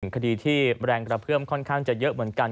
คดีที่แรงกระเพื่อมค่อนข้างจะเยอะเหมือนกัน